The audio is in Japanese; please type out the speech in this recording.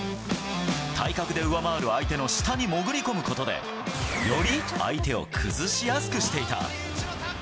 体格で上回る相手の下に潜り込むことで、より相手を崩しやすくしていた。